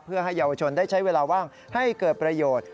เพื่อให้เยาวชนได้ใช้เวลาว่างให้เกิดประโยชน์